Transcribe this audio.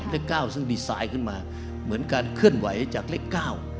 เลขเก้าซึ่งดีไซน์ขึ้นมาเหมือนการเคลื่อนไหวจากเลขเก้า